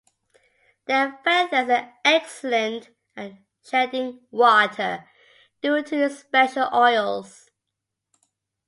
Their feathers are excellent at shedding water due to special oils.